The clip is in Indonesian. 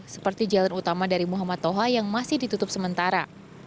seperti jalan utama dari muhammad toha yang masih ditutup sementara